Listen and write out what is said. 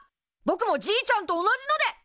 ぼくもじいちゃんと同じので！